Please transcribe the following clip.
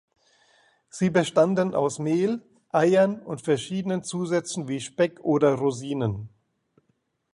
Sie bestanden aus Mehl, Eiern und verschiedenen Zusätzen wie Speck oder Rosinen.